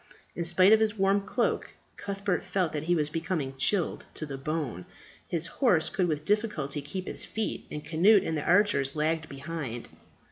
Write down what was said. In spite of his warm cloak Cuthbert felt that he was becoming chilled to the bone. His horse could with difficulty keep his feet; and Cnut and the archers lagged behind.